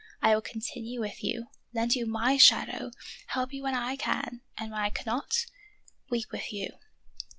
I will continue with you, lend you my shadow, help you when I can, and when I cannot, weep with you."